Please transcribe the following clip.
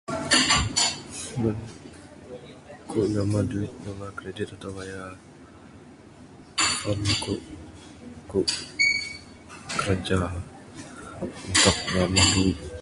Ku namah duit atau nambah kredit atau bayaran telephone ku ku kraja untuk namah duit.